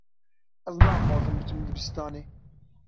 Ez naxwazim biçim dibistanê.